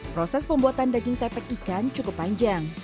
proses pembuatan daging tepek ikan cukup panjang